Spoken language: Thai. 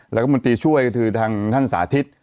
รัฐมนตรีช่วยคือทางท่านสาธิต